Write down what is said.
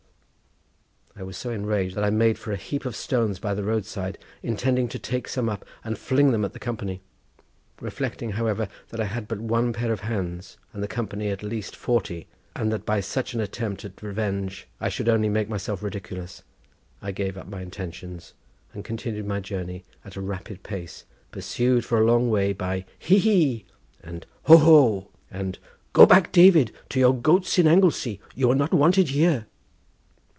I was so enraged that I made for a heap of stones by the road side, intending to take some up and fling them at the company. Reflecting, however, that I had but one pair of hands and the company at least forty, and that by such an attempt at revenge I should only make myself ridiculous, I gave up my intention, and continued my journey at a rapid pace, pursued for a long way by "hee, hee," and "hoo, hoo," and, "Go back, David, to your goats in Anglesey, you are not wanted here."